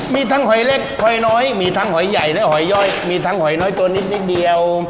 มีทั้งหอยเล็กหอยน้อยมีทั้งหอยใหญ่และหอยย่อยมีทั้งหอยน้อยตัวนิดนิดเดียว